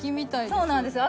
そうなんですよ